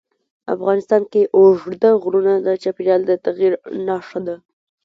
افغانستان کې اوږده غرونه د چاپېریال د تغیر نښه ده.